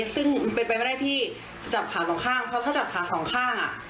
ซึ่งเป็นไปไม่ได้ที่จับขาสองข้างเพราะถ้าจับขาสองข้าง